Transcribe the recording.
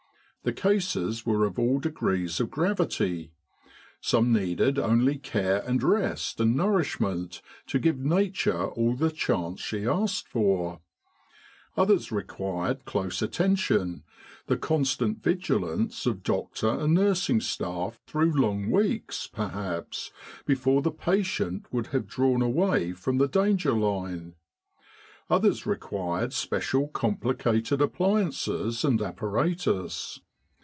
The cases were of all degrees of gravity. Some needed only care and rest and nourish ment, to give Nature all the chance she asked for; others required close attention, the constant vigilance of doctor and nursing staff through long weeks, per haps, before the patient would have drawn away from the danger line. Others required special complicated appliances and apparatus.